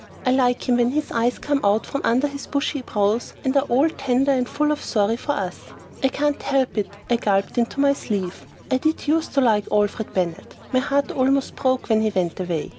I like him when his eyes come out from under his bushy brows and are all tender and full of sorry for us. "I can't help it," I gulped in my sleeve. "I did use to like Alfred Bennett. My heart almost broke when he went away.